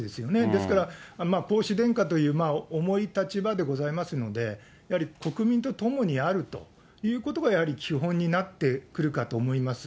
ですから皇嗣殿下という重い立場でございますので、やはり国民とともにあるということがやはり、基本になってくるかと思います。